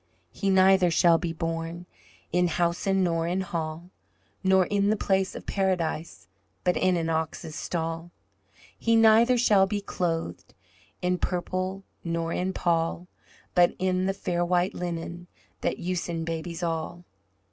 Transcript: "He neither shall be born In housen nor in hall, Nor in the place of Paradise, But in an ox's stall. "He neither shall be clothed In purple nor in pall, But in the fair white linen That usen babies all.